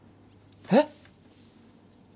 えっ？